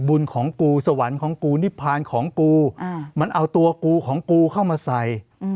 บุญของกูสวรรค์ของกูนิพพานของกูมันเอาตัวกูของกูเข้ามาใส่